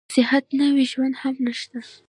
که صحت نه وي ژوند هم نشته.